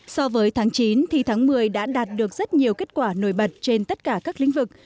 so với tháng chín thì tháng một mươi đã đạt được rất nhiều kết quả nổi bật trên tất cả các lĩnh vực